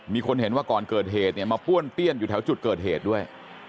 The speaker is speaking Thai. มีคนเห็นว่าก่อนเกิดเหตุเนี่ยมาป้วนเปี้ยนอยู่แถวจุดเกิดเหตุด้วย